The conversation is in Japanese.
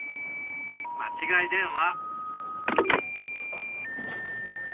☎間違い電話。